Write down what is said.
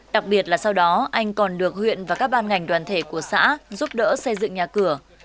đặc biệt là sau đó anh còn được huyện và các ban ngành đoàn thể của xã giúp đỡ xây dựng nhà cửa